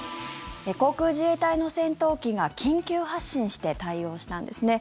航空自衛隊の戦闘機が緊急発進して対応したんですね。